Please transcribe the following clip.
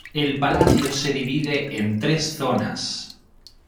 El palacio se divide en tres zonas.